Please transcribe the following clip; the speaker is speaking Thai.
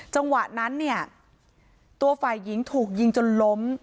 จังหวะนั้นเนี่ยตัวฝ่ายหญิงถูกยิงจนล้ม